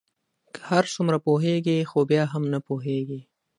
که هر څومره پوهیږی خو بیا هم نه پوهیږې